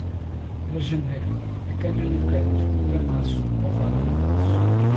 Para janeiro a cana no canto e para março a vara no braço.